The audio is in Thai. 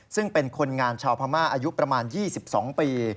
ซึ่งเป็นคนงานชาวพม่าอายุประมาณ๒๒ปี